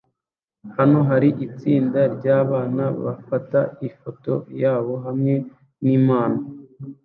Hano hari itsinda ryabana bafata ifoto yabo hamwe nimpano